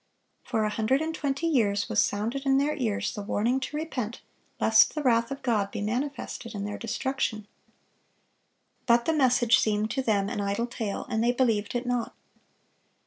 For a hundred and twenty years was sounded in their ears the warning to repent, lest the wrath of God be manifested in their destruction. But the message seemed to them an idle tale, and they believed it not.